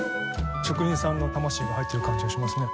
職人さんの魂が入ってる感じがしますね。